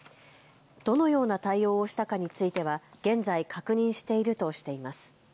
どのような対応をしたかについては現在確認しているとしています。